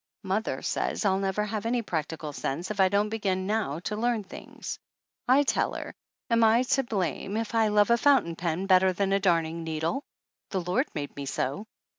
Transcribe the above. Mother says I'll never have any prac tical sense if I don't begin now to learn things. I tell her, "Am I to blame if I love a fountain pen better than a darning needle?" The Lord made me so.